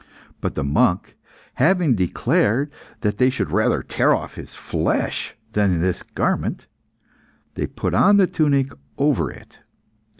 But the monk having declared that they should rather tear off his flesh than this garment, they put on the tunic over it.